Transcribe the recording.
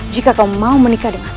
jika kau mau menikah dengan aku